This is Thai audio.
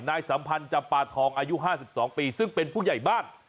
สัมพันธ์จำปาทองอายุ๕๒ปีซึ่งเป็นผู้ใหญ่บ้าน